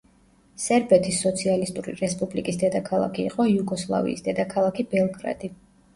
სერბეთის სოციალისტური რესპუბლიკის დედაქალაქი იყო იუგოსლავიის დედაქალაქი ბელგრადი.